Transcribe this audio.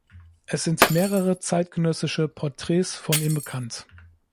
Es sind mehrere zeitgenössische Porträts von ihm bekannt.